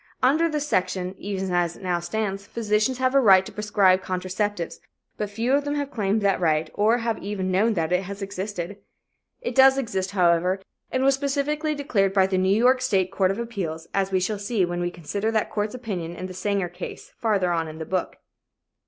Under this section, even as it now stands, physicians have a right to prescribe contraceptives, but few of them have claimed that right or have even known that it has existed. It does exist, however, and was specifically declared by the New York State Court of Appeals, as we shall see when we consider that court's opinion in the Sanger case, farther on in the book.